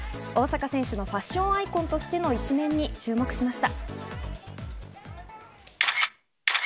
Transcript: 大坂選手のファッションアイコンとしての一面に注目しました。